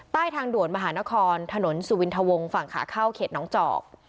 ใต้ทางด่วนมหานครถนนสุวินทวงฝั่งขาเข้าเขตน้องจอก